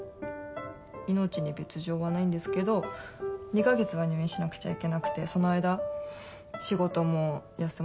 命に別条はないんですけど２カ月は入院しなくちゃいけなくてその間仕事も休まなくちゃいけなくて。